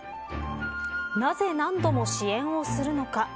なぜ、何度も支援をするのか。